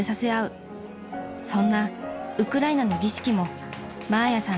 ［そんなウクライナの儀式もマーヤさん